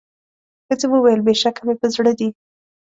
ښځي وویل بېشکه مي په زړه دي